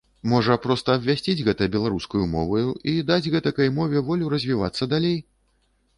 Можа, проста абвясціць гэта беларускаю моваю і даць гэтакай мове волю развівацца далей?